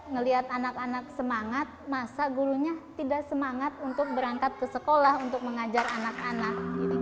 ngelihat anak anak semangat masa gurunya tidak semangat untuk berangkat ke sekolah untuk mengajar anak anak